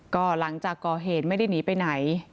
ก็หลังจากก่อเหตุไม่ได้หนีไปไหน